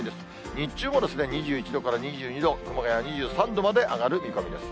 日中も２１度から２２度、熊谷２３度まで上がる見込みです。